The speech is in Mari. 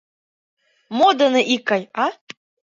— Мо дене икгай, а?